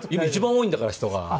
一番多いんだから人が。